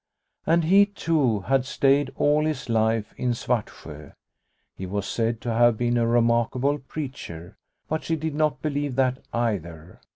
And he too had stayed all his life in Svartsjo. He was said to have been a remarkable preacher, but she did not believe that either.